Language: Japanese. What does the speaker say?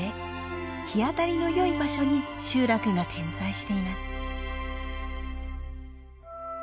日当たりのよい場所に集落が点在しています。